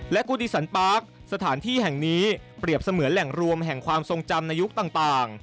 กูดีสันปาร์คสถานที่แห่งนี้เปรียบเสมือนแหล่งรวมแห่งความทรงจำในยุคต่าง